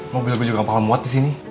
mobil gue juga gak bakal muat disini